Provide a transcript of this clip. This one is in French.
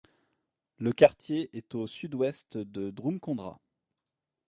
Le quartier est au sud-ouest de Drumcondra.